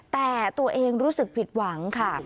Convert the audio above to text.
แต่ตัวเองรู้สึกผิดหวังค่ะ